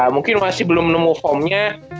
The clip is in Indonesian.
mungkin masih belum nemu form nya